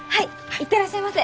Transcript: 行ってらっしゃいませ！